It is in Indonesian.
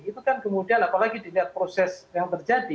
itu kan kemudian apalagi dilihat proses yang terjadi